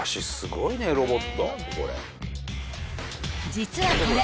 ［実はこれ］